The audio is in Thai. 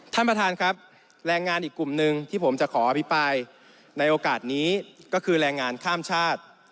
ท่านประธานครับแรงงานอีกกลุ่มหนึ่งที่ผมจะขออภิปรายในโอกาสนี้ก็คือแรงงานข้ามชาติ